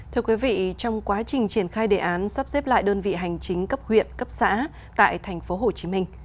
thưa quý vị trong quá trình triển khai đề án sắp xếp lại đơn vị hành chính cấp huyện cấp xã tại thành phố hồ chí minh